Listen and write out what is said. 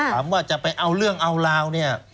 คำว่าจะไปเอาเรื่องเอาลาวนะครับ